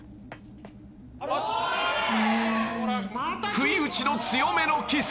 ［不意打ちの強めのキス］